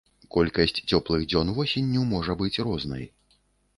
Колькасць цёплых дзён восенню можа быць рознай.